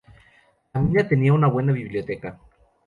La mina tenía una buena biblioteca.